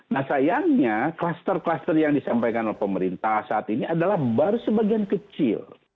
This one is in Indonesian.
nah sayangnya kluster kluster yang disampaikan oleh pemerintah saat ini adalah baru sebagian kecil